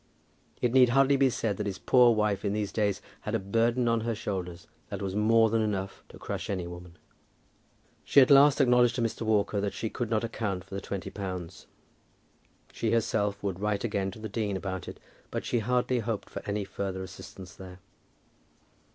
It need hardly be said that his poor wife in these days had a burden on her shoulders that was more than enough to crush any woman. She at last acknowledged to Mr. Walker that she could not account for the twenty pounds. She herself would write again to the dean about it, but she hardly hoped for any further assistance there.